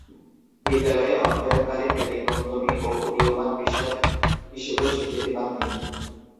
বিদ্যালয়ে অধ্যয়নকালীন ব্যতিক্রমধর্মী ও উদীয়মান পেসার হিসেবেও স্বীকৃতি পান তিনি।